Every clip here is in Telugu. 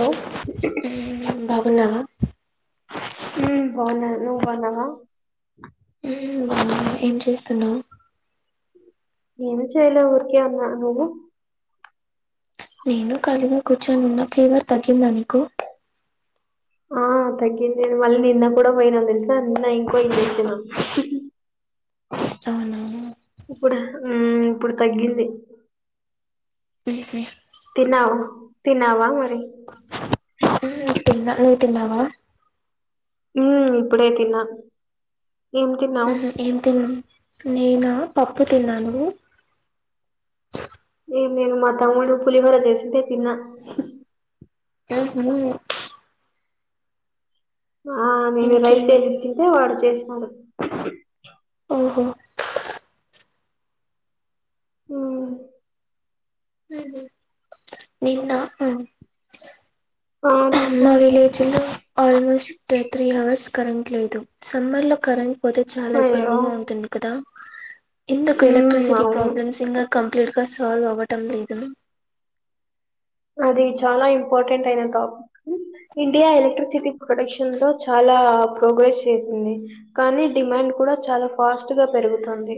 హలో హ్మ్ బాగున్నావా? హ్ బావున్నా నువ్వు బావున్నావా? హ్మ్ బాగున్నా, ఏం చేస్తున్నావు? ఏమి చేయలే ఊరికె ఉన్నా. నువ్వు? నేను ఖాళీగా కూర్చొనున్నా ఫీవర్ తగ్గిందా నీకు. ఆ తగ్గింది నేను మళ్ళీ నిన్న కూడా పోయినాను తెలుసా, నిన్న ఇంకో ఇంజక్షను. అవునా. ఇప్పుడా ఇప్పుడు తగ్గింది. [inaudible] తిన్నావా? తిన్నావా మరి? ఉ తిన్నా. నువ్వు తిన్నావా? ఉ ఇప్పుడే తిన్నా. ఏం తిన్నావు? మ్మ్ ఏం తిన్ నేనా పప్పు తిన్నాను. ఏ నేను మా తమ్ముడు పులిహోర చేసుంటే తిన్నా. ఉహ్ ఆ నేను రైస్ ఇంకేమి చేసిచ్చింటే వాడు చేసినాడు. ఓహో. ఉ ఉహ్ నిన్నా. ఆ చెప్పు మా విలేజ్లో ఆల్మోస్ట్ త్రీ అవర్స్ కరెంట్ లేదు, సమ్మర్లో కరెం పోతే చాలా అయ్యో ఇబ్బందిగా ఉంటుంది కదా. ఎందుకు ఉమ్ ఎలక్ట్రిసిటీ అవును ప్రాబ్లమ్స్ ఇంగా కంప్లీట్గా సాల్వ్ అవ్వటం లేదు. అది చాలా ఇంపార్టెంట్ అయినా టాపిక్. ఇండియా ఎలక్ట్రిసిటీ ప్రొడక్షన్లో చాలా ప్రోగ్రెస్ చేసింది. కానీ డిమాండ్ కూడా చాలా ఫాస్ట్ గా పెరుగుతుంది.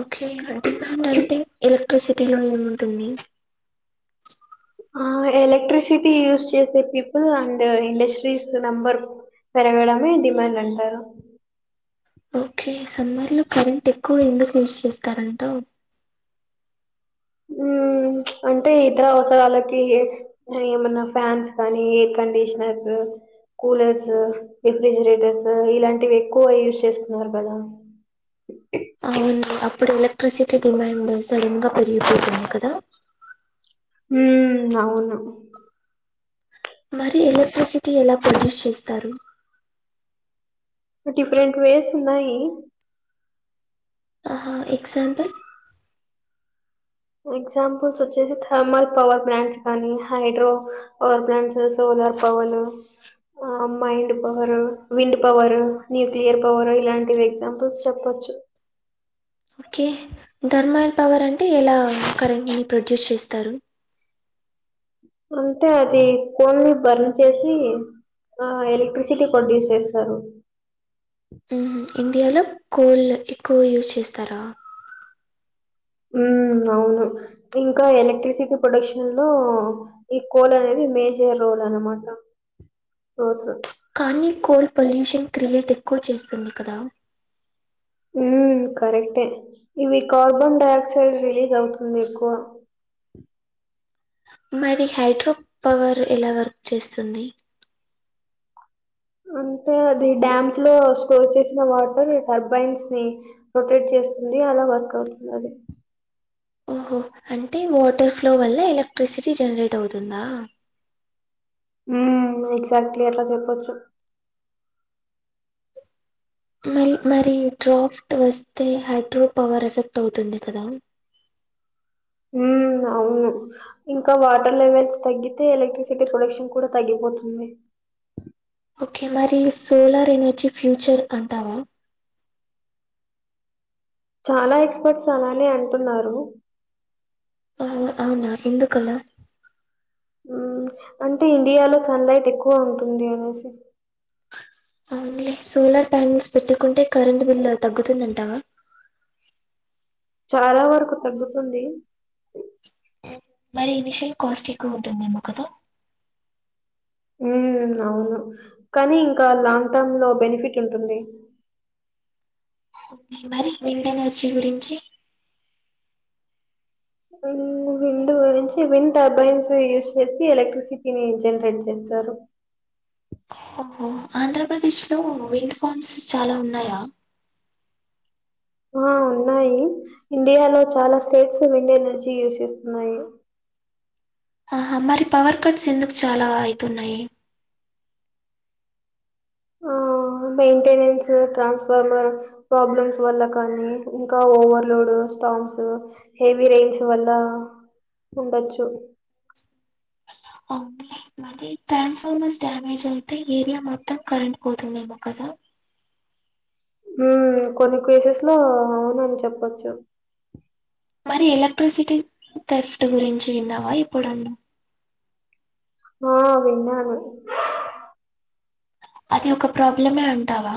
ఓకే డిమాండ్ అంటే ఎలక్ట్రిసిటీలో ఏముంటుంది? ఆ ఎలక్ట్రిసిటీ యూజ్ చేసే పీపుల్ అండ్ ఇండస్ట్రీస్ నంబర్ పెరగడమే డిమాండ్ అంటారు. ఓకే సమ్మర్లో కరెంట్ ఎక్కువ ఎందుకు యూస్ చేస్తారంటావు? ఉ అంటే ఇతర అవసరాలకి ఎ ఏమన్నా ఫ్యాన్స్ కానీ ఎయిర్ కండిషనర్స్ కూలర్స్, రిఫ్రిజిరేటర్స్ ఇలాంటివి ఎక్కువ యూజ్ చేస్తున్నారు కదా అవును అప్పుడు ఎలక్ట్రిసిటీ డిమాండ్ సడన్ గా పెరిగిపోతుంది కదా హు అవును మరి ఎలక్ట్రిసిటీ ఎలా ప్రొడ్యూస్ చేస్తారు డిఫరెంట్ వేస్ ఉన్నాయి ఆహా ఎక్జాంపుల్ ఎగ్జాంపుల్స్ వచ్చేసి థర్మల్ పవర్ ప్లాంట్స్ కానీ హైడ్రో పవర్ ప్లాంట్స్ సోలార్ పవలు ఆ mind power, wind power, nuclear power ఇలాంటివి ఎగ్జాంపుల్స్ చెప్పొచ్చు ఓకే ధర్మల్ పవర్ అంటే ఎలా కరెంట్ని ప్రొడ్యూస్ చేస్తారు అంటే అది కొన్ని బర్న్ చేసి ఆ ఎలక్ట్రిసిటీ ప్రొడ్యూస్ చేస్తారు ఇండియాలో కోళ్లకి కోల్ ఎక్కువ యూజ్ చేస్తారా ఉ అవును ఇంకా ఎలక్ట్రిసిటీ ప్రొడక్షన్ లో ఈ కోల్ అనేది మేజర్ రోల్ అనమాట రోజు కానీ కోల్ పొల్యూషన్ క్రియేట్ ఎక్కువ చేస్తుంది కదా ఉ కరెక్టే ఇవి కార్బన్ డఆక్సైడ్ రిలీజ్ అవుతుంది ఎక్కువ మరి హైడ్రో పవర్ ఎలా వర్క్ చేస్తుంది అంటే అది డ్యామ్ స్లో స్కోర్ చేసిన వాటర్ టర్బైన్స్ ని రొటేట్ చేస్తుంది అలా వర్క్ అవుతుంది అది ఓహో అంటే వాటర్ ఫ్లో వల్ల ఎలక్ట్రిసిటీ జనరేట్ అవుతుందా ఉ ఎగ్జాక్ట్లీఅట్లా చెప్పొచ్చు మరి మరి డ్రాఫ్ట్ వస్తే హైడ్రో పవర్ ఎఫెక్ట్ అవుతుంది కదా ఉ అవును ఇంకా వాటర్ లెవెల్స్ తగ్గితే ఎలక్ట్రిసిటీ ప్రొడక్షన్ కూడా తగ్గిపోతుంది ఓకే మరి సోలర్ ఎనర్జీ ఫ్యూచర్ అంటావా చాలా ఎక్స్పర్ట్స్ అలానే అంటున్నారు ఆ అవునా ఎందుకలా అంటే ఇండియాలో సన్ లైట్ ఎక్కువ ఉంటుంది అనేసి అవునులే సోలార్ ప్యానల్స్ పెట్టుకుంటే కరెంటు బిల్ తగ్గుతుంది అంటావా చాలా వరకు తగ్గుతుంది మరి ఇనిషియల్ కాస్ట్ ఎక్కువ ఉంటుంది ఏమో కదా ఉ అవును కానీ ఇంకా లాంగ్ టర్మ్ లో బెనిఫిట్ ఉంటుంది మరి విండ్ ఎనర్జీ గురించి ఉ విండ్ గురించి విండ్ టర్బైన్స్ యూజ్ చేసి ఎలక్ట్రిసిటీని జనరేట్ చేస్తారు ఓహో ఆంధ్ర ప్రదేశ్ లో విండ్ ఫామ్స్ చాలా ఉన్నాయా ఆ ఉన్నాయి ఇండియాలో చాలా స్టేట్స్ విండ్ ఎనర్జీ యూస్ చేస్తున్నాయి ఆహా మరి పవర్ కట్స్ ఎందుకు చాలా అవుతున్నాయి ఆ మెయింటెనెన్స్, ట్రాన్స్ఫార్మర్ ప్రాబ్లమ్స్ వల్ల కానీ ఇంకా ఓవర్లోడ్ స్టాంస్ హెవీ రేయిన్స్ వల్ల ఉండొచ్చు ఓకే మరీ ట్రాన్స్ఫార్మర్స్ డామేజ్ అయితే ఏరియా మొత్తం కరెంట్ పోతుంది ఏమో కదా ఉ కొన్ని కేసెస్ లో అవునని చెప్పచ్చు మరి ఎలక్ట్రిసిటీ తెఫ్ట్ గురించి విన్నావా ఎప్పుడన్నా నో విన్నాడు అది ఒక ప్రాబ్లమే అంటావా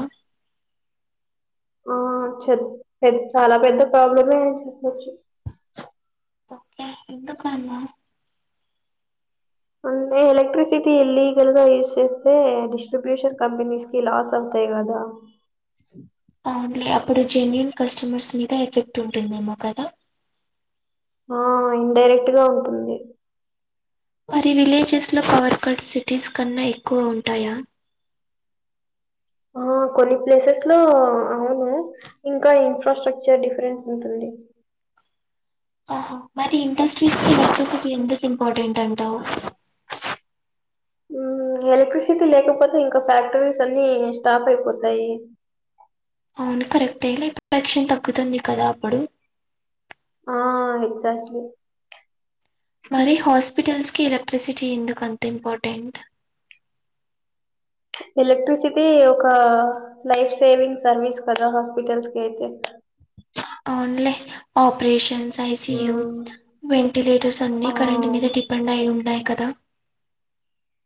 ఆ చెప్ పెద్ చాలా పెద్ద ప్రాబ్లమే అనీ చెప్పచ్చు ఓకే ఎందుకు అన్నావ్ అంటే ఎలక్ట్రిసిటీ ఇల్లీగల్గా యూస్ చేస్తే డిస్ట్రిబ్యూషన్ కంపెనీస్ కి లాస్ అవుతాయి కదా అవునులే అప్పుడు జెన్యున్ కస్టమర్స్ మీద ఎఫెక్ట్ ఉంటుందేమో కదా ఓ ఇండైరెక్ట్ గా ఉంటుంది మరి విలేజెస్ లో పవర్ కట్ సిటీస్ కన్నా ఎక్కువ ఉంటాయా ఓ కొన్ని ప్లేసెస్ లో అవును ఇంకా ఇన్ఫ్రాస్ట్రక్చర్ డిఫరెన్స్ ఉంటుంది ఆహ మరి ఇండస్ట్రీస్ కి ఎలక్ట్రిసిటీ ఎందుకు ఇంపార్టెంట్ అంటావ్ మ్ ఎలక్ట్రిసిటీ లేకపోతే ఇంక ఫ్యాక్టరీస్ అన్ని స్టాప్ అయిపోతాయి అవును కరెక్టే లే ప్రొడక్షన్ తగ్గుతుంది కదా అప్పుడు ఆ ఎగ్జాక్ట్ లీ మరి హాస్పిటల్స్ కి ఎలక్ట్రిసిటీ ఎందుకు అంత ఇంపార్టెంట్ ఎలక్ట్రిసిటీ ఒక లైఫ్ సేవింగ్ సర్వీస్ కదా హాస్పిటల్స్ కి అయితే అవునులే ఆపరేషన్స్ ఐసియు మ్మ్. వెంటిలేటర్స్ అన్ని ఆ కరెంట్ మీద డిపెండై ఉంటాయి కదా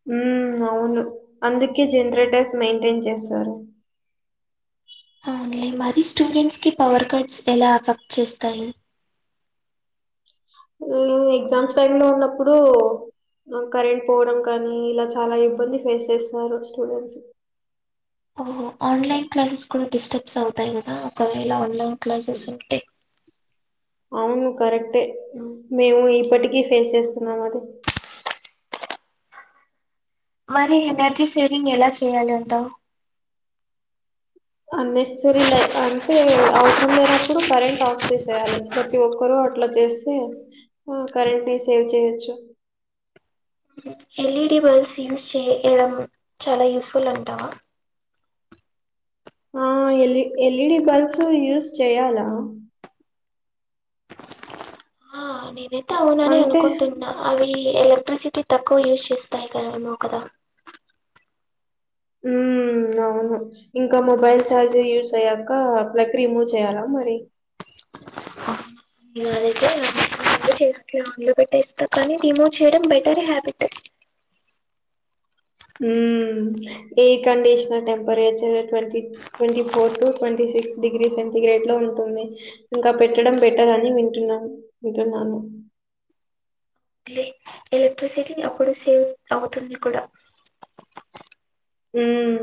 మ్ అవును అందుకే జనరేటర్స్ మెయింటైన్ చేస్తారు అవునులే మరి స్టూడెంట్స్ కి పవర్ కట్స్ ఎలా ఎఫెక్ట్ చేస్తాయి మ్ ఎగ్జామ్స్ టైమ్ లో ఉన్నప్పుడు కరెంట్ పోవడం కానీ ఇలా చాలా ఇబ్బంది ఫేస్ చేస్తుబన్నారు స్టూడెంట్స్ ఓహో ఆన్లైన్ క్లాసెస్ కూడా డిస్టర్బ్స్ అవుతాయి కదా ఒకవేళ ఆన్లైన్ క్లాసెస్ ఉంటే అవును కరెక్టే మేము ఇప్పటికీ ఫేస్ చేస్తున్నాం అది మరి ఎనర్జీ సేవింగ్ ఎలా చేయ్యాలంటావు అన్నెససరీ అంటే అవసరం లేనప్పుడు కరెంట్ ఆఫ్ చేసేయాలి ప్రతి ఒక్కరూ అట్లా చేస్త కరెంట్ బిల్ సేవ్ చేయచ్చు! ఎల్ఈడి బల్బ్స్ యూజ్ చేయడం చాలా యూస్ఫుల్ అంటావా ఆ ఎల్ ఎల్ఈడి బల్బ్స్ యూస్ చేయాలా ఆ నేనైతే అవునని అంటే అనుకుంటున్నా అవి ఎలక్ట్రిసిటీ తక్కువ యుస్ చేస్తాయి కద అన్నావు కద మ్ అవును ఇంకా మొబైల్ ఛార్జర్ యూజ్ అయ్యాక ప్లగ్ రిమూవ్ చేయాలా మరి అదైతే ఆన్లో పెట్టేస్తా కానీ రిమూవ్ చేయడం బెటర్ హ్యాబిట్ మ్ air conditioner temperature twenty twenty four to twenty six degree centigrade లో ఉంటుంది ఇంకా పెట్టడం బెటర్ అని వింటున్నా వింటున్నాను ఎలక్ట్రిసిటీ అప్పుడు సేవ్ అవుతుంది కూడా మ్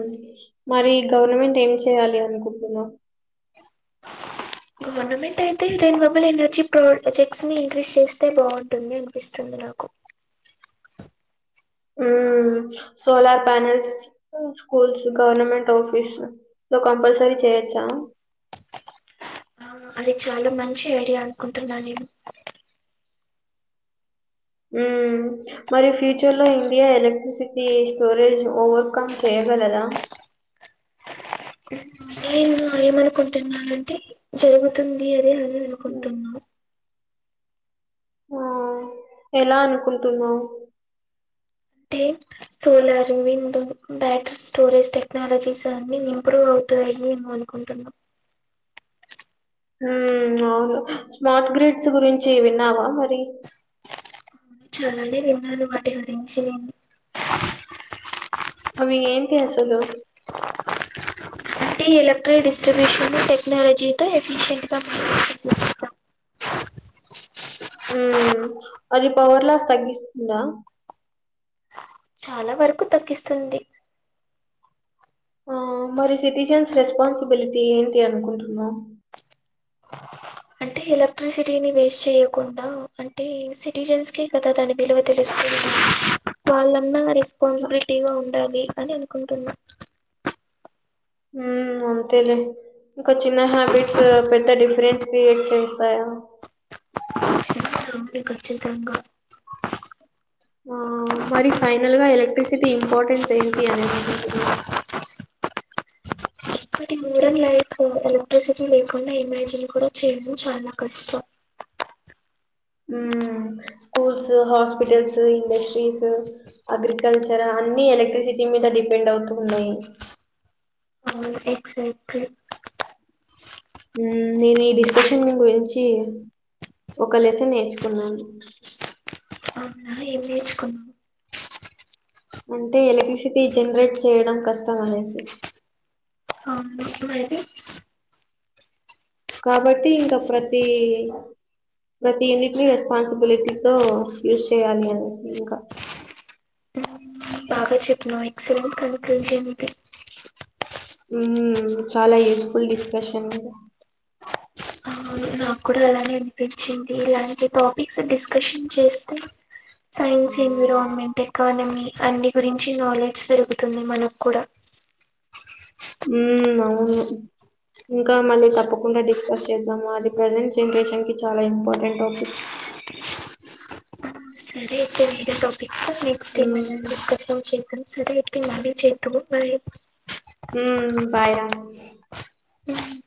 మరి గవర్నమెంట్ ఏం చేయాలి అనుకుంటున్నావ్ గవర్నమెంట్ అయితే రెనివబుల్ ఎనెర్జీ ప్రో ప్రొజెక్ట్స్ ని ఇంక్రీజ్ చేస్తే బాగుంటుంది అనిపిస్తుంది నాకు మ్ solar panels schools government office లో కంపల్సరీ చేయొచ్చా అవును అది చాలా మంచి ఐడియా అనుకుంటున్నా నేను ఉమ్ మరి ఫ్యూచర్ లో ఇండియా ఎలక్ట్రిసిటీ స్టోరేజ్ ఓవర్కమ్ చేయగలదా ఏందో ఏమనుకుంటున్నానంటే జరుగుతుంది అని అని హ్మ్. అనుకుంటున్నా ఆ! ఎలా అనుకుంటున్నావు టే సోలార్ మూవీ ఉంటుంది బ్యాట్రీ స్టోరేజ్ టెక్నాలజీస్ అన్ని ఇంప్రూవ్ అవుతాయి ఏమో అనుకుంటున్నా హూమ్ అవును స్మార్ట్ గ్రిడ్స్ గురించి విన్నావా మరి చాలానే విన్నాను వాటి గురించి అవి ఏంటి అసలు తీ ఎలక్ట్రల్ డిస్ట్రిబ్యూషన్ టెక్నాలజీతో ఎఫిషియంట్ గా [inaudible] ఊమ్ అది పవర్ లాస్ తగిస్తొంద చాలా వరకు తగ్గిస్తుంది ఆ మరి సిటిజన్స్ రెస్పాన్సిబిలిటీ ఏంటి అనుకుంటున్నావ్ [inaudible] అంటే ఎలక్ట్రిసిటీని వేస్ట్ చేయకుండా అంటే సిటిజన్స్ కే కదా దాని విలువ తెలుస్తుంది వాళ్ళన్నా రెస్పాన్సిబిలిటీగా ఉండాలి అని అనుకుంటున్నా ఊ అంతేలే ఇంక చిన్న హ్యాబిట్స్ పెద్ద డిఫరెన్స్ క్రియేట్ చేస్తాయా అవును ఖచ్చితంగా ఆ మరి ఫైనల్ గా ఎలక్ట్రిసిటీ ఇంపార్టెన్స్ ఏంటి అని అనుకుంటున్నావ్ ఇప్పటి మోడన్ లైఫ్ ఎలక్ట్రిసిటీ లేకుండా ఇమాజిన్ కూడా చేయడం చాలా కష్టం ఊ స్కూల్స్ హాస్పిటల్స్ ఇండస్ట్రీస్ అగ్రికల్చర్ అన్ని ఎలక్ట్రిసిటీ మీద డిపెండ్ అవుతూన్నాయి ఎస్ ఎక్సెట్లి ఉమ్ నేను ఈ డిస్కషన్ గురించి ఒక లెసన్ నేర్చుకున్నాను ఔనా ఏం నేర్చుకున్నావ్ అంటే ఎలక్ట్రిసిటీ జన్రేట్ చేయడం కష్టం అనేసి అవును ఇప్పుడైతే కాబట్టి ఇంకా ప్రతీ ప్రతి యూనిట్ని రెస్పాన్సిబిలిటీ తో యూజ్ చేయ్యాలి అనేసి ఇంకా బాగా చెప్పినవ్ ఎక్సలెంట్ కల్ప్రిట్ ఊమ్ చాలా యూస్ఫుల్ డిస్కర్షన్ అవును నాక్కూడా అలానే అనిపిచింది ఇలాంటి టాపిక్స్ డిస్కర్షన్ చేస్తే సైన్స్ ఇన్విరాన్మెంట్ ఎకానమీ అన్ని గురించి నాలెడ్జ్ పెరుగుతుంది మనక్కూడా ఉమ్ ఔను ఇంకా మళ్ళీ తప్పకుండా డిస్కస్ చేద్దామది ప్రజెంట్ జనరేషన్ కి చాలా ఇంపార్టెంట్ టాపిక్ సరే అయితే వేరే టాపిక్స్ నెక్స్ట్ టైమ్ డిస్క చే సరే అయితే మీరేచేతురు మరే ఉమ్ బైరా ఉహు